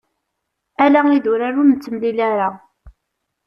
Ala idurar ur nettemlili ara.